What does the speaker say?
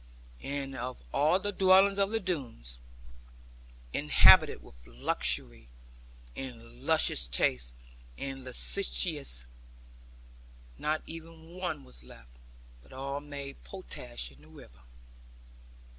And of all the dwellings of the Doones (inhabited with luxury, and luscious taste, and licentiousness) not even one was left, but all made potash in the river.